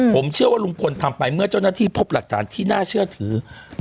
ผมเชื่อว่าลุงพลทำไปเมื่อเจ้าหน้าที่พบหลักฐานที่น่าเชื่อถือ